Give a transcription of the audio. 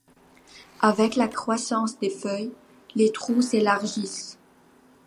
Avec la croissance des feuilles, les trous s’élargissent.